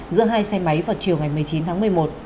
giữa hai xe máy vào chiều một mươi chín tháng một mươi một